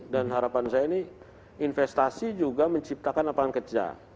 dan harapan saya ini investasi juga menciptakan apangan kerja